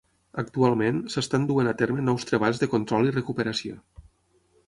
Actualment, s'estan duent a terme nous treballs de control i recuperació.